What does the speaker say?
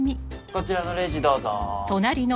こちらのレジどうぞ。